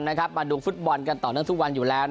ไปดูฟุตบอลก่อนต่อดนานทุกวันอยู่แล้ว